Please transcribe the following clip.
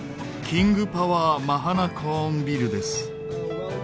キングパワー・マハナコーンビルです。